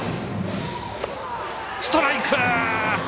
ストライク！